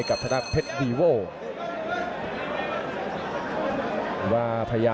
สวัสดิ์นุ่มสตึกชัยโลธสวัสดิ์